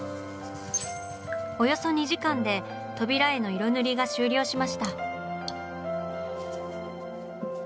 およそ２時間で扉絵の色塗りが終了しました。